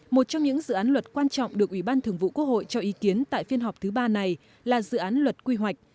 một trong những dự án luật quan trọng được ủy ban thường vụ quốc hội cho ý kiến tại phiên họp thứ ba này là dự án luật quy hoạch